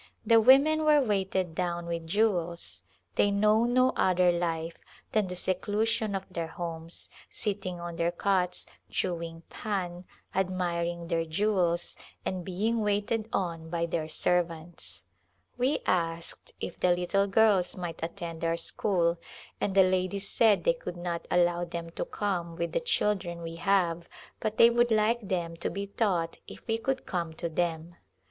The women were weighted down with jewels ; they know no other life than the seclusion of their homes, sitting on their cots, chewing pan^ admiring their jewels, and being waited on by their servants. We asked if the little girls might attend our school and the ladies said they could not allow them to come with the children we have but they would like them to be taught if we could come to them.